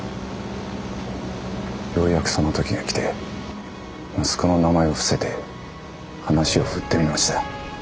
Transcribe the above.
ようやくその時が来て息子の名前を伏せて話を振ってみました。